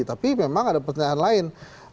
tapi memang ada pertanyaan lain